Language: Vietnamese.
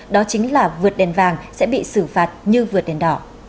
đó chính là vượt đèn vàng sẽ bị xử phạt như vượt đèn đỏ